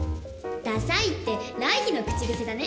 ダサいって来緋の口癖だね。